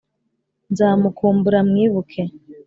nzamukumbura mwibuke